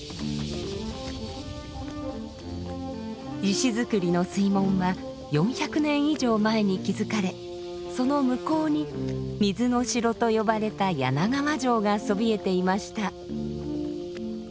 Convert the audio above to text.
石造りの水門は４００年以上前に築かれその向こうに水の城と呼ばれた柳川城がそびえていました。